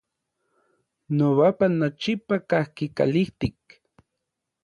Nobapan nochipa kajki kalijtik.